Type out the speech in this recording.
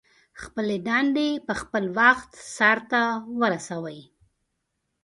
خپلې دندې په خپل وخت سرته ورسوئ.